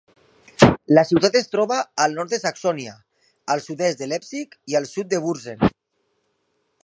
La ciutat es troba al nord de Saxònia, al sud-est de Leipzig i al sud de Wurzen.